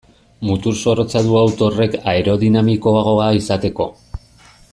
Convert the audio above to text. Mutur zorrotza du auto horrek aerodinamikoagoa izateko.